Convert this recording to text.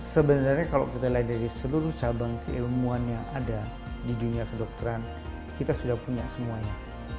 sebenarnya kalau kita lihat dari seluruh cabang keilmuan yang ada di dunia kedokteran kita sudah punya semuanya